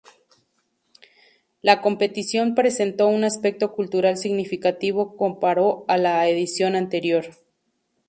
La competición presentó un aspecto cultural significativo comparó a la edición anterior.